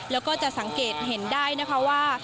แล้วก็จะสังเกตเห็นได้นะคะว่า